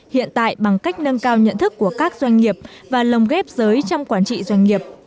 hiện tại bằng cách nâng cao nhận thức của các doanh nghiệp và lồng ghép giới trong quản trị doanh nghiệp